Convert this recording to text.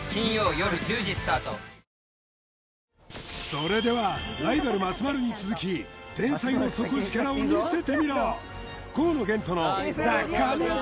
それではライバル松丸に続き天才の底力を見せてみろ！